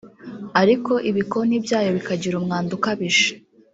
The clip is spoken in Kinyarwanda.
ariko ibikoni byayo bikagira umwanda ukabije